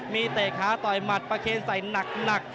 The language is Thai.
มีเตะขาต่อยหมัดประเคนใส่หนัก